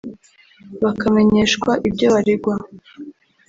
bakamenyeshwa ibyo baregwa